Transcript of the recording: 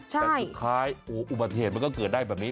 แต่สุดท้ายอุบัติเหตุมันก็เกิดได้แบบนี้